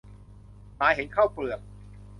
หมาเห็นข้าวเปลือก